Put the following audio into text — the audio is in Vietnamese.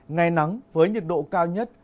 ngay nắng với nhiệt độ cao nhất